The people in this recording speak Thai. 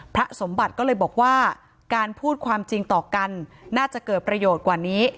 พระสมบัติก็เลยบอกว่าการพูดความจริงต่อกันน่าจะเกิดประโยชน์กว่านี้